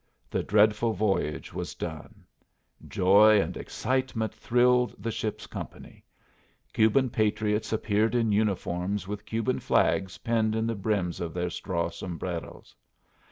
The dreadful voyage was done. Joy and excitement thrilled the ship's company. Cuban patriots appeared in uniforms with Cuban flags pinned in the brims of their straw sombreros.